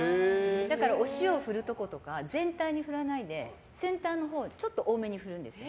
だからお塩を振るところとか全体に振らないで先端のほうちょっと多めに振るんですよ。